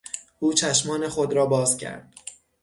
او چشمان خود را باز کرد.